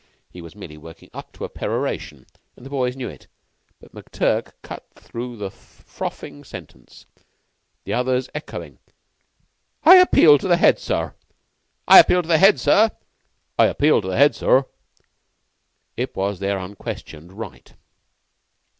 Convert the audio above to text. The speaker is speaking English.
He was merely working up to a peroration, and the boys knew it; but McTurk cut through the frothing sentence, the others echoing: "I appeal to the Head, sir." "I appeal to the head, sir." "I appeal to the Head, sir." It was their unquestioned right.